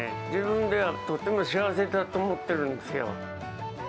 自分ではとっても幸せだと思っているんですよ。